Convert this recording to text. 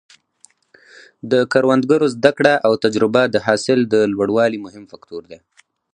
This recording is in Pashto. د کروندګرو زده کړه او تجربه د حاصل د لوړوالي مهم فکتور دی.